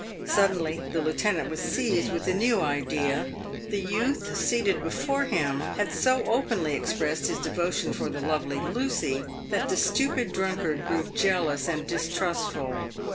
Suddenly the lieutenant was seized with a new idea. The youth seated before him had so openly expressed his devotion for the lovely Lucy, that the stupid drunkard grew jealous and dis trustful.